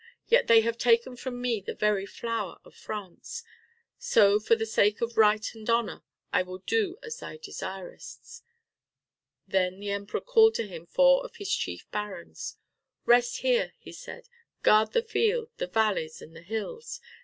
Yet they have taken from me the very flower of France, so for the sake of right and honor I will do as thou desirest." Then the Emperor called to him four of his chief barons. "Rest here," he said, "guard the field, the valleys and the hills.